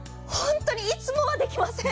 いつもはできません。